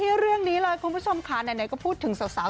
มาต่อกันที่เรื่องนี้เลยคุณผู้ชมคะแหน่ก็พูดถึงสาว